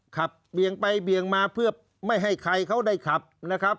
เบี่ยงไปเบี่ยงมาเพื่อไม่ให้ใครเขาได้ขับนะครับ